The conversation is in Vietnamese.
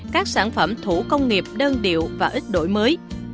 các sản phẩm thủ công nghiệp đơn điệu và ít đổi mới